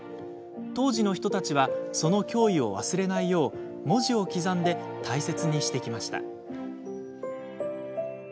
当時の人たちは、その脅威を忘れないよう文字を刻んで大切にしてきました。